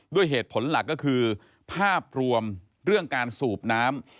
ด้วยเหตุผลหลักก็คือภาพรวมเรื่องการสูบน้ำ